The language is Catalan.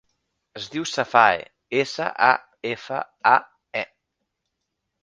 Es diu Safae: essa, a, efa, a, e.